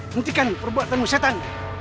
hentikan perbuatanmu setan